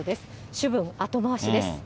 主文、後回しです。